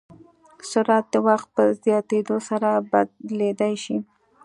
سرعت د وخت په زیاتېدو سره بدلېدای شي.